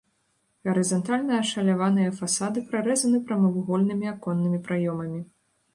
Гарызантальна ашаляваныя фасады прарэзаны прамавугольнымі аконнымі праёмамі.